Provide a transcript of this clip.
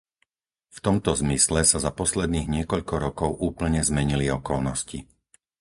V tomto zmysle sa za posledných niekoľko rokov úplne zmenili okolnosti.